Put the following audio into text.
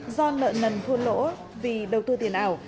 do nợ nần thua lỗ vì đầu tư tiền ảo